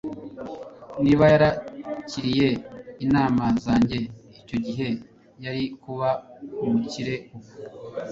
Niba yarakiriye inama zanjye icyo gihe, yari kuba umukire ubu.